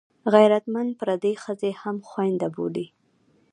غیرتمند پردۍ ښځه هم خوینده بولي